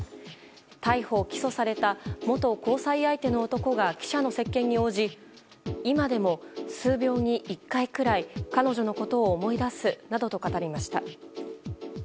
逮捕・起訴された元交際相手の男が記者の接見に応じ今でも数秒に１回くらい彼女のことを思い出すなどと語りました。